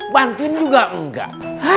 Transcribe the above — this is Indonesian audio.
bantuin juga enggak